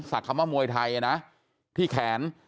คำว่ามวยไทยนะที่แขน